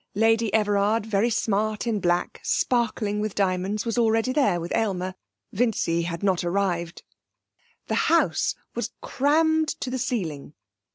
Lady Everard, very smart in black, sparkling with diamonds, was already there with Aylmer. Vincy had not arrived. The house was crammed to the ceiling.